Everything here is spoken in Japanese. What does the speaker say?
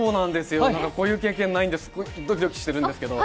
こういう経験ないんでどきどきしてるんですけど。